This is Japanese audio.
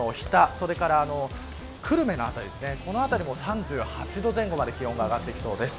それから久留米の辺りこの辺りも３８度前後まで気温が上がってきそうです。